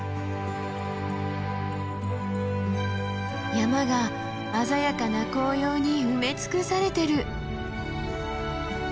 山が鮮やかな紅葉に埋め尽くされてる！